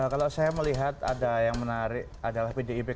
kalau saya melihat ada yang menarik adalah pdip